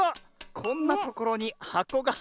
こんなところにはこが！